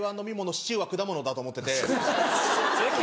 シチューは果物だと思ってて。